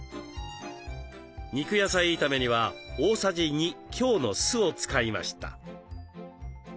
肉野菜炒めには大さじ２強の酢を使いました。